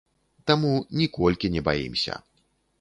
Таму, ніколькі не баімся.